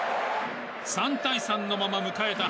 ３対３のまま迎えた